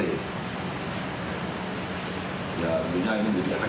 ya tentunya ini menjadi agak jelal